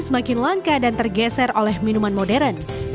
semakin langka dan tergeser oleh minuman modern